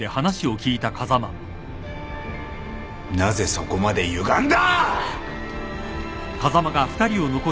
なぜそこまでゆがんだ！